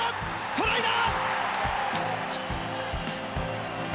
トライだ！